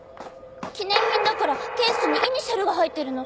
記念品だからケースにイニシャルが入ってるの。